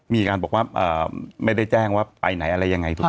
มีการบอกว่าไม่ได้แจ้งว่าไปไหนอะไรยังไงถูกไหม